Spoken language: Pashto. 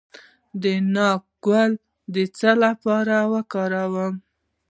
د ناک ګل د څه لپاره وکاروم؟